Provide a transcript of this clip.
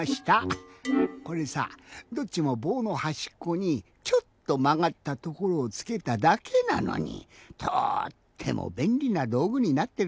これさどっちもぼうのはしっこにちょっとまがったところをつけただけなのにとってもべんりなどうぐになってるじゃない？